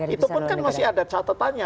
itu pun kan masih ada catatannya